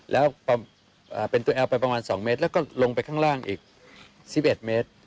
แล้วพอเป็นตัวแอลไปประมาณ๒เมตรแล้วก็ลงไปข้างล่างอีก๑๑เมตร